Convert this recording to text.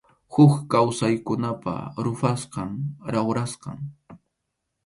Huk kawsaykunapa ruphasqan, rawrasqan.